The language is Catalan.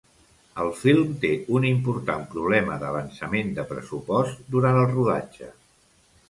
El film té un important problema d'avançament de pressupost durant el rodatge.